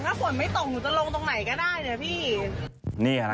ถ้าฝนไม่ตกหนูจะลงตรงไหนก็ได้นะพี่